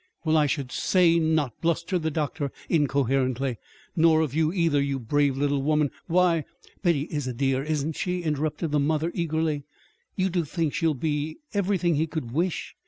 Well, I should say not," blustered the doctor incoherently; "nor of you, either, you brave little woman. Why " "Betty is a dear, isn't she?" interrupted the mother eagerly. "You do think she'll she'll be everything he could wish?